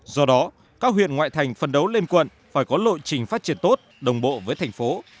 do đó các huyện ngoại thành phân đấu lên quận phải có lộ trình phát triển tốt đồng bộ với thành phố